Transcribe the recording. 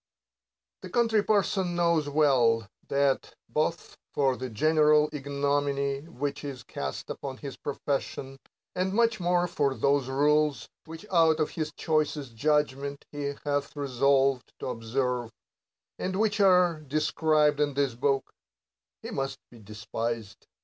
The Country Parson knows well, that, — both for the general ignominy which is cast upon the profession, and much more for those rules which out of his choicest judgment he hath resolved to observe, and which are described in this book, — he must be despised.